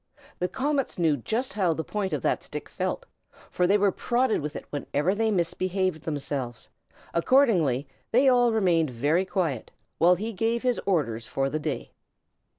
The comets knew just how the point of that stick felt, for they were prodded with it whenever they misbehaved themselves; accordingly, they all remained very quiet, while he gave his orders for the day.